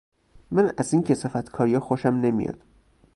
من از این کثافت کاریا خوشم نمیاد